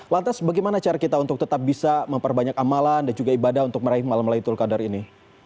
lantas bagaimana cara kita untuk tetap bisa memperbanyak amalan dan juga ibadah untuk meraih malam laytul qadar ini